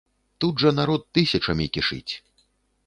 Тут жа народ тысячамі кішыць.